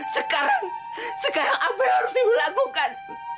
sekarang sekarang apa yang harus ibu lakukan